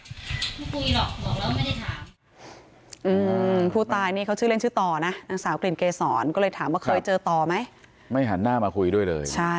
ผู้ตายอืมผู้ตายนี่เขาชื่อเล่นชื่อต่อนะนางสาวกลิ่นเกษรก็เลยถามว่าเคยเจอต่อไหมไม่หันหน้ามาคุยด้วยเลยใช่